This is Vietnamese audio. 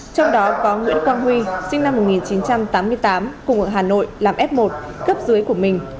trong đó có nguyễn quang huy sinh năm một nghìn chín trăm tám mươi tám cùng ở hà nội làm f một cấp dưới của mình